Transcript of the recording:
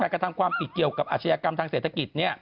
กระทำความผิดเกี่ยวกับอาชญากรรมทางเศรษฐกิจ